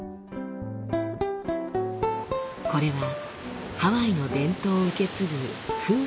これはハワイの伝統を受け継ぐ夫婦のお話。